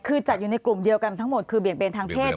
คือจัดอยู่ในกลุ่มเดียวกันทั้งหมดคือเบี่ยงเบนทางเพศ